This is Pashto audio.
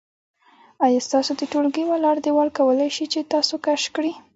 آیا ستاسو د ټولګي ولاړ دیوال کولی شي چې تاسو کش کړي؟